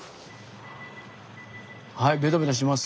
はいベタベタします。